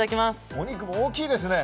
お肉も大きいですね。